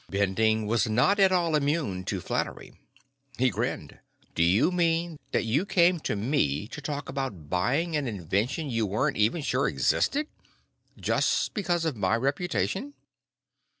Bending was not at all immune to flattery. He grinned. "Do you mean that you came to me to talk about buying an invention you weren't even sure existed just because of my reputation?"